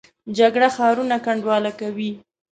جګړه ښارونه کنډواله کوي